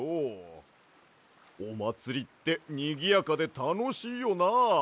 おまつりってにぎやかでたのしいよな。